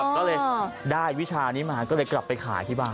ก็เลยได้วิชานี้มาก็เลยกลับไปขายที่บ้าน